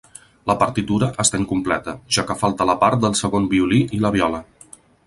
La partitura està incompleta, ja que falta la part del segon violí i la viola.